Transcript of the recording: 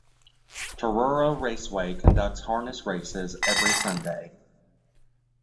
Truro Raceway conducts harness races every Sunday.